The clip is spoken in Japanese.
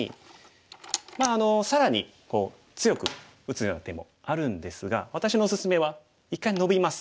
まあ更にこう強く打つような手もあるんですが私のおすすめは一回ノビます。